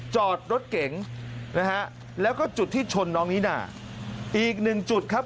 จอดรถเก๋งนะฮะแล้วก็จุดที่ชนน้องนิน่าอีกหนึ่งจุดครับ